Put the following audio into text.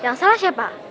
yang salah siapa